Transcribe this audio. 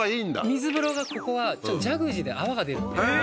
水風呂がここはジャグジーで泡が出るんで。